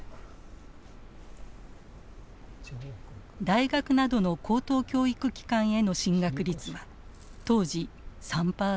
大学などの高等教育機関への進学率は当時３％ほど。